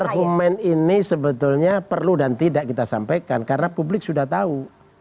argumen ini sebetulnya perlu dan tidak kita sampaikan karena publik sudah tahu